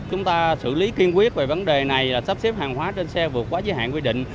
chúng ta xử lý kiên quyết về vấn đề này là sắp xếp hàng hóa trên xe vượt quá giới hạn quy định